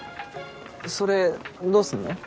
それどうすんの？